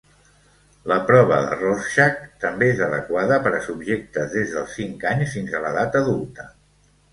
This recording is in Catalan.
La prova de Rorschach també és adequada per a subjectes des dels cinc anys fins a l'edat adulta.